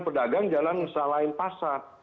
pedagang jangan salahin pasar